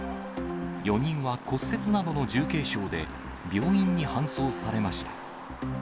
４人は骨折などの重軽傷で、病院に搬送されました。